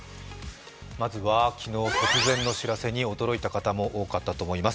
まずは、昨日、突然の知らせに驚いた方も多かったと思います。